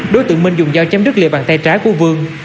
đối tượng minh dùng dao chém đứt lìa bằng tay trái của vương